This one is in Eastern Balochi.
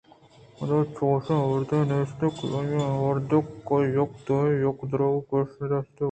پدا چوشیں مردمے نیست کہ آئیءَ اے مرد ک یک دمانے یا ادارُکے ءَ گیش دیستگ